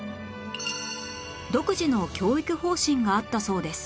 独自の教育方針があったそうです